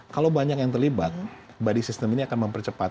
kalau banyak yang terlibat badan sistem ini akan mempercepat